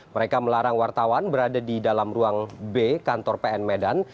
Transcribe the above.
mereka melarang wartawan berada di dalam ruang b kantor pn medan